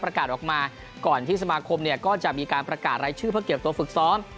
ประกาศออกมาก่อนที่สมาคมเนี่ยก็จะมีการประกาศรายชื่อเพื่อเก็บตัวฝึกซ้อม